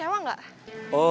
iya ada yang bisa disewa gak